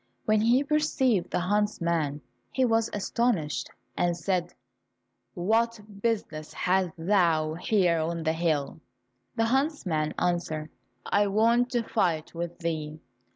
When he perceived the huntsman, he was astonished and said, "What business hast thou here on the hill?" The huntsman answered, "I want to fight with thee."